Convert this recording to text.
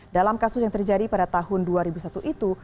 dalam kasus yang terjadi pada tahun dua ribu satu itu